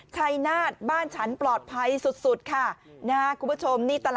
ชัยนาธิ์บ้านฉันปลอดภัยสุดค่ะนะครับคุณผู้ชมนี่ตลาด